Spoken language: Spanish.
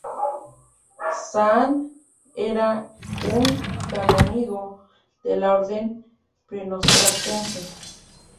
Zahn era un canónigo de la orden premonstratense.